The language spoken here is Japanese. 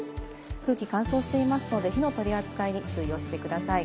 空気、乾燥していますので、火の取り扱いに注意をしてください。